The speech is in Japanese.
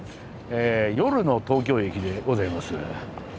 夜の東京駅でございます。